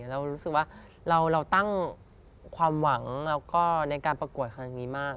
เรารู้สึกว่าเราตั้งความหวังแล้วก็ในการประกวดครั้งนี้มาก